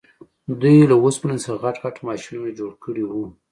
دوی له اوسپنې څخه غټ غټ ماشینونه جوړ کړي وو